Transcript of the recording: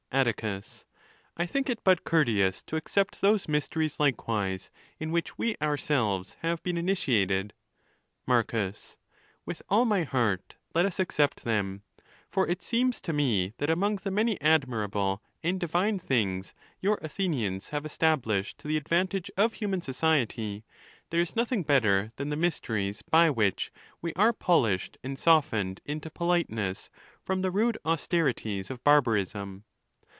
Atticus.—I think it but courteous to except those mysteries likewise, in which we ourselves have been initiated. Marcus.—With all my heart let us except them, Tor it seems to me that among the many admirable and divine things your Athenians have established to the advantage of human society, there is nothing better than the mysteries by ON THE LAWS. 445 which we are polished and softened into politeness from the rude austerities of barbarism.